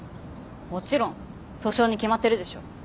もちろん訴訟に決まってるでしょ。